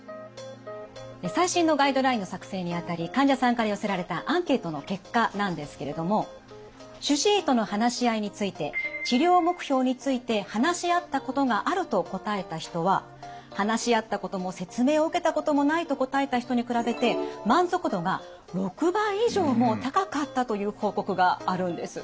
最新のガイドラインの作成にあたり患者さんから寄せられたアンケートの結果なんですけれども主治医との話し合いについて治療目標について話し合ったことがあると答えた人は話し合ったことも説明を受けたこともないと答えた人に比べて満足度が６倍以上も高かったという報告があるんです。